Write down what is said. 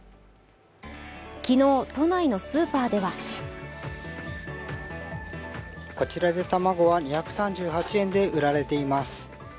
昨日、都内のスーパーではこちらで卵は２３８円で売られています。